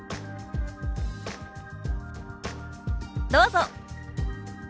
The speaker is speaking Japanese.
どうぞ。